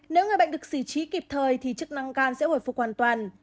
nếu người bệnh được xử trí kịp thời thì chức năng gan sẽ hồi phục hoàn toàn